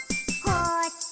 「こっち？」